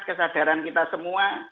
kesadaran kita semua